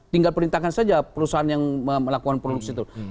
tinggal perintahkan saja perusahaan yang melakukan produksi itu